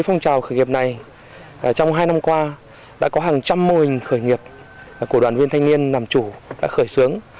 từ phong trào khởi nghiệp này trong hai năm qua đã có hàng trăm mô hình khởi nghiệp của đoàn viên thanh niên làm chủ đã khởi sướng